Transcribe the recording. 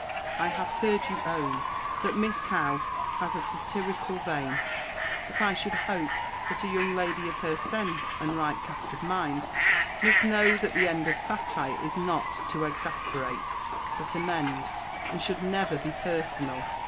I have heard you own, that Miss Howe has a satirical vein; but I should hope that a young lady of her sense, and right cast of mind, must know that the end of satire is not to exasperate, but amend; and should never be personal.